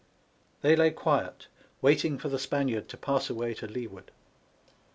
They lay quiet, waiting for the Spaniard to pass away to leeward.